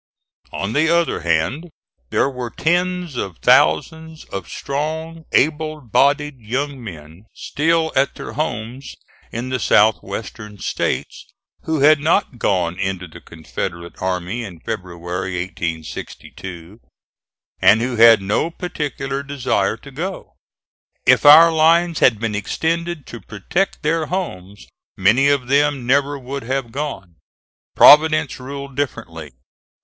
On the other hand there were tens of thousands of strong able bodied young men still at their homes in the South western States, who had not gone into the Confederate army in February, 1862, and who had no particular desire to go. If our lines had been extended to protect their homes, many of them never would have gone. Providence ruled differently.